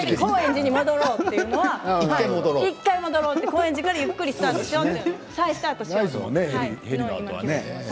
高円寺に戻ろうというのは１回戻ろうって高円寺からゆっくりしようと。